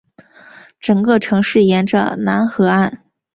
整个城市沿着楠河岸。